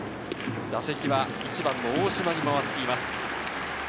打席は１番の大島にまわっています。